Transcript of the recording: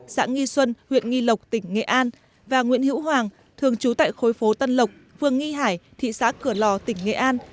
xã nghi xuân huyện nghi lộc tỉnh nghệ an và nguyễn hữu hoàng thường trú tại khối phố tân lộc phường nghi hải thị xã cửa lò tỉnh nghệ an